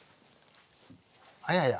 あやや。